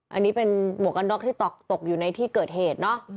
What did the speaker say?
อันนี้เป็นหมวกกันน็อกที่ตกอยู่ในที่เกิดเหตุเนอะ